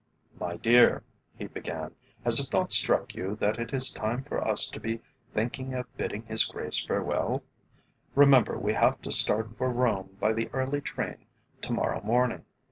"My dear," he began, "has it not struck you that it is time for us to be thinking of bidding His Grace farewell? Remember we have to start for Rome by the early train to morrow morning.